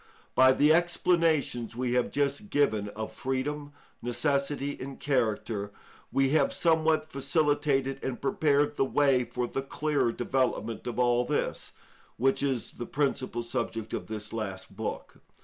By the explanations we have just given of freedom, necessity, and character, we have somewhat facilitated and prepared the way for the clearer development of all this, which is the principal subject of this last book.